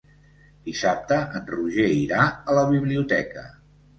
Dissabte en Roger irà a la biblioteca.